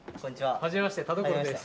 初めまして田所です。